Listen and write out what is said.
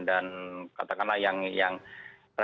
dan katakanlah yang remes remes